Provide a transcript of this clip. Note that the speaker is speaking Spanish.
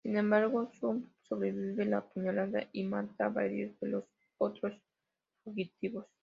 Sin embargo, Sun sobrevive la puñalada y mata a varios de los otros fugitivos.